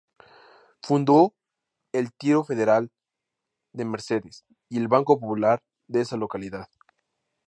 Fundó el Tiro Federal de Mercedes y el Banco Popular de esa localidad.